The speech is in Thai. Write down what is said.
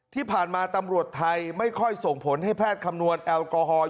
ที่ผ่านมาตำรวจไทยไม่ค่อยส่งผลให้แพทย์คำนวณแอลกอฮอล์